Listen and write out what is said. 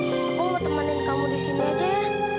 aku mau temanin kamu di sini aja ya